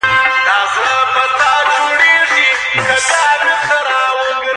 هر ځل لا إله إلا لله ويل صدقه ده